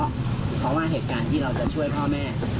เพราะว่าเหตุการณ์ที่เราจะช่วยพ่อแม่